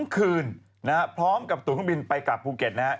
๒คืนพร้อมกับตัวข้างบินไปกับภูเก็ตนะครับ